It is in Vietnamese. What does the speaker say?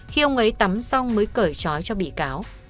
khi ông ấy tắm xong mới cởi trói cho bị cáo